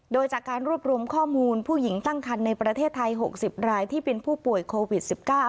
โดยจากการรวบรวมข้อมูลผู้หญิงตั้งคันในประเทศไทย๖๐รายที่เป็นผู้ป่วยโควิด๑๙